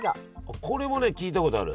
これもね聞いたことある。